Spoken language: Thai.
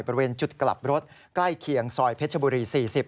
บริเวณจุดกลับรถใกล้เคียงซอยเพชรบุรี๔๐